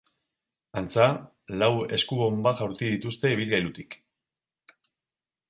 Antza, lau eskubonba jaurti dituzte ibilgailutik.